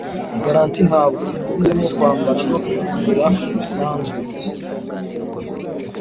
garanti ntabwo ikubiyemo kwambara no kurira bisanzwe.